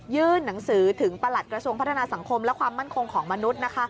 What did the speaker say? หนังสือถึงประหลัดกระทรวงพัฒนาสังคมและความมั่นคงของมนุษย์